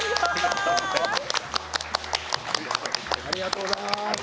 ありがとうございます。